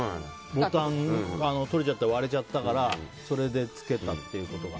ボタン、とれちゃったり割れちゃったからそれでつけたっていうことが。